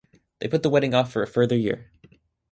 They put the wedding off for a further year.